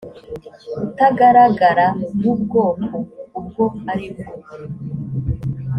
utagaragara w ubwoko ubwo aribwo